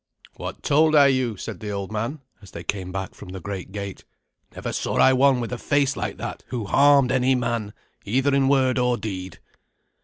"What told I you?" said the old man, as they came back from the great gate. "Never saw I one with a face like that who harmed any man, either in word or deed."